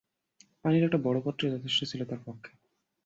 পানির একটা বড় পাত্রই যথেষ্ট ছিল তার পক্ষে।